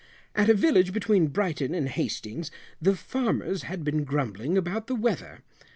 At a village between Brighton and Hastings, the farmers had been grumbling about the weather.